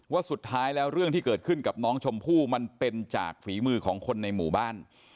ว่าสุดท้ายแล้วเรื่องที่เกิดขึ้นกับน้องชมพู่มันเป็นจากฝีมือของคนในหมู่บ้าน